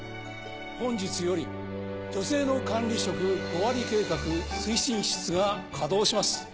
本日より「女性の管理職５割計画」推進室が稼働します。